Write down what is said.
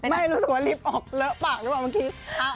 ไม่รู้สึกว่าลิฟต์ออกเลอะปากได้ป่ะเมื่อกี้